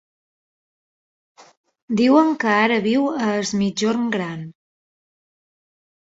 Diuen que ara viu a Es Migjorn Gran.